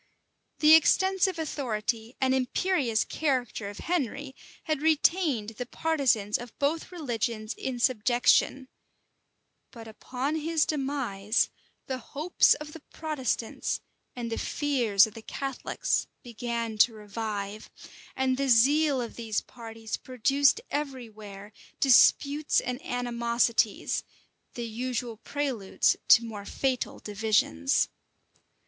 The extensive authority and imperious character of Henry had retained the partisans of both religions in subjection; but upon his demise, the hopes of the Protestants and the fears of the Catholics began to revive, and the zeal of these parties produced every where disputes and animosities, the usual preludes to more fatal divisions.